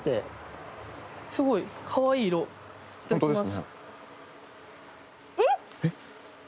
いただきます。